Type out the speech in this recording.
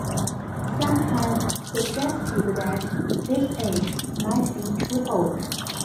Some have suggested that this age might be too old.